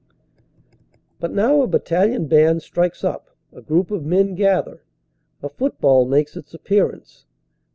But now a battalion band strikes up, a group of men gather, a football makes its appearance.